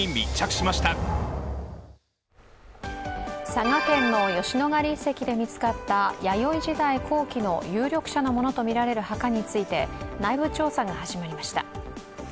佐賀県の吉野ヶ里遺跡で見つかった弥生時代後期の有力者のものとみられる墓について内部調査が始まりました。